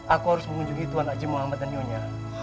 aku harus mengunjungi tuhan haji muhammad dan nyonya